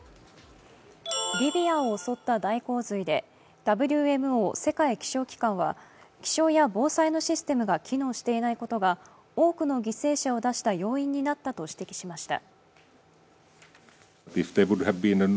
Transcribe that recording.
リビアを襲った大洪水でＷＭＯ＝世界気象機関は、気象や防災のシステムが機能していないことが多くの犠牲者を出した要因になったと指摘しました。